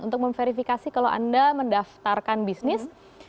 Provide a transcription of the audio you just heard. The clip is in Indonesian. untuk memverifikasi kalau anda mendaftarkan bisnis